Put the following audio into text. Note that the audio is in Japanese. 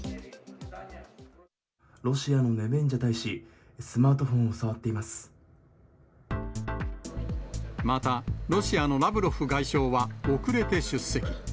ロシアのネベンジャ大使、また、ロシアのラブロフ外相は遅れて出席。